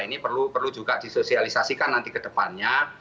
ini perlu juga disosialisasikan nanti ke depannya